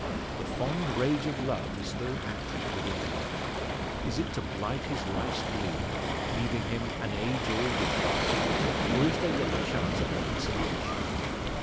The "fond rage of love" is still active within him. Is it to "blight his life's bloom," leaving him "an age all winters?" Or is there yet a chance of reconciliation?